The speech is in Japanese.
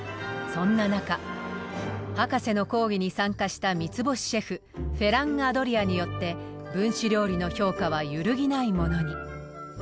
そんな中博士の講義に参加した３つ星シェフフェラン・アドリアによって分子料理の評価は揺るぎないものに。